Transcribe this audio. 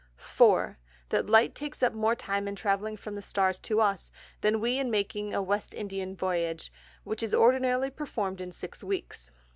4. That Light takes up more time in travelling from the Stars to us, than we in making a West India Voyage (which is ordinarily perform'd in six Weeks.)